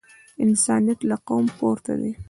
انسانیت له قوم پورته دی.